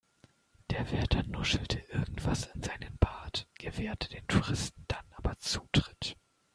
Der Wärter nuschelte irgendwas in seinen Bart, gewährte den Touristen dann aber Zutritt.